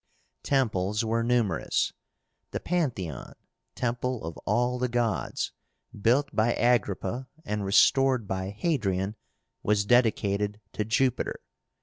Temples were numerous. The Pantheon (temple of all the gods), built by Agrippa and restored by Hadrian, was dedicated to Jupiter.